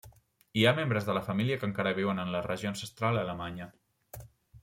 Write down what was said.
Hi ha membres de la família que encara viuen en la regió ancestral a Alemanya.